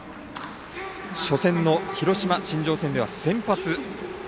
初戦の広島新庄戦では先発。